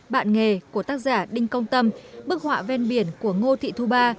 bạn nghề của tác giả đinh công tâm bức họa ven biển của ngô thị thu ba